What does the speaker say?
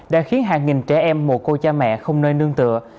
đã khiến hàng nghìn trẻ em mồ cô cha mẹ không nơi nương tựa